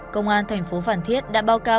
công an thành phố phản thiết đã báo cáo